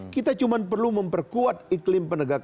kita cuma perlu memperkuat iklim penegakan